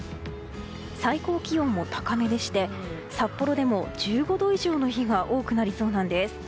最高気温も高めでして札幌でも１５度以上の日が多くなりそうなんです。